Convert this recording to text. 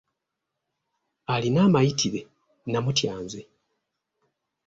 Alina amayitire' namutya nze.